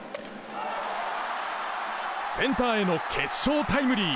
センターへの決勝タイムリー。